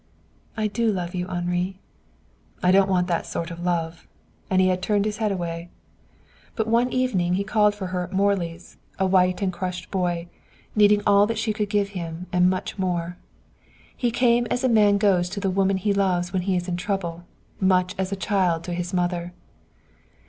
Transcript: "I do love you, Henri." "I don't want that sort of love." And he had turned his head away. But one evening he called for her at Morley's, a white and crushed boy, needing all that she could give him and much more. He came as a man goes to the woman he loves when he is in trouble, much as a child to his mother.